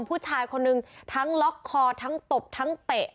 ผู้ชายคนนึงทั้งล็อกคอทั้งตบทั้งเตะ